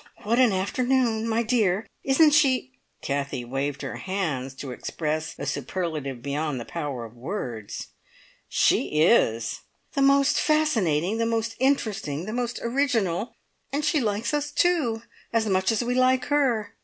What an afternoon! My dear, isn't she " Kathie waved her hands to express a superlative beyond the power of words. "She is!" "The most fascinating, the most interesting, the most original " "And she likes us, too! As much as we like her.